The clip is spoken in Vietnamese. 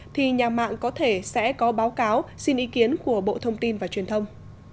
thì nhà mạng có thể sẽ có báo cáo xin ý kiến của bộ thông tin và truyền thông